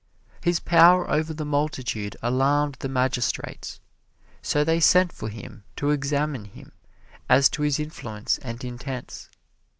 His power over the multitude alarmed the magistrates, so they sent for him to examine him as to his influence and intents.